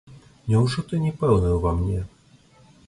Няўжо ты не пэўны ўва мне?